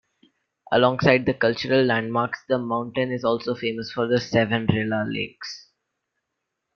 Alongside the cultural landmarks the mountain is also famous for the Seven Rila Lakes.